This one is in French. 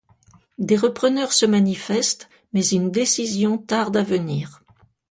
Des repreneurs se manifestent mais une décision tarde à venir.